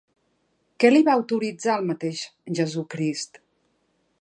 Què li va autoritzar el mateix Jesucrist?